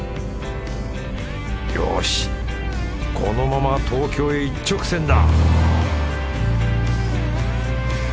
よしこのまま東京へ一直線だ！